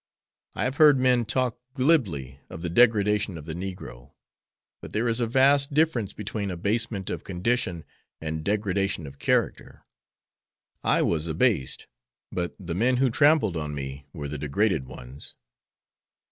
I have heard men talk glibly of the degradation of the negro, but there is a vast difference between abasement of condition and degradation of character. I was abased, but the men who trampled on me were the degraded ones."